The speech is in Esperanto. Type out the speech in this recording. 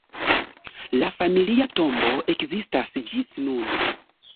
La familia tombo ekzistas ĝis nun.